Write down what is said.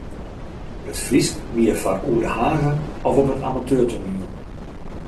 It Frysk wie foar oer de hage of op it amateurtoaniel.